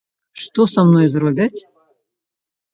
Што са мной зробяць?